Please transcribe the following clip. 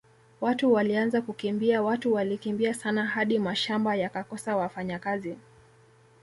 Watu walianza kukimbia watu walikimbia sana hadi mashamba yakakosa wafanyakazi